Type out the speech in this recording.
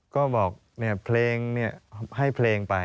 ก็บอกเพลงให้เพลงไป